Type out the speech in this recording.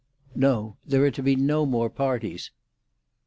"No. There are to be no more parties."